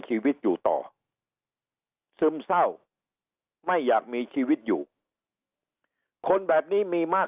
ชีวิตอยู่ต่อซึมเศร้าไม่อยากมีชีวิตอยู่คนแบบนี้มีมาก